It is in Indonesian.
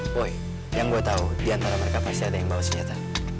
boy yang gue tau di antara mereka pasti ada yang bawa senjata